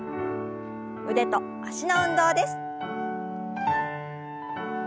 腕と脚の運動です。